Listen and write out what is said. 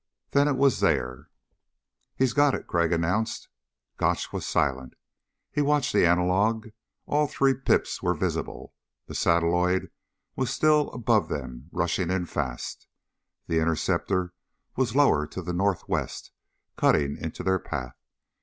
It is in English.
Then it was there. "He's got it," Crag announced. Gotch was silent. He watched the analog. All three pips were visible. The satelloid was still above them, rushing in, fast. The interceptor was lower to the northwest, cutting into their path.